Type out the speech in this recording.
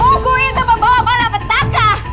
buku itu membawa malam petaka